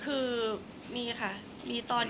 แต่ขวัญไม่สามารถสวมเขาให้แม่ขวัญได้